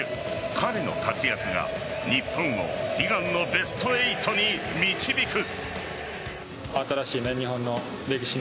彼の活躍が日本を悲願のベスト８に導く。